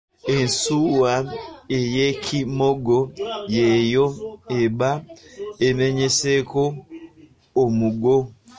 Ensuwa ey’ekimogo y’eyo eba emenyeseeko omugo.